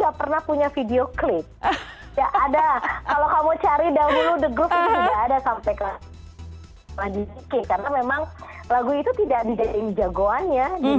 gak pernah punya video klip ya ada kalau kamu cari dahulu the groove ini gak ada sampai lagi karena memang lagu itu tidak menjadi jagoannya